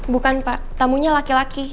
bukan pak tamunya laki laki